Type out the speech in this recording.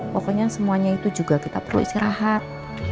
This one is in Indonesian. pokoknya semuanya itu juga kita perlu istirahat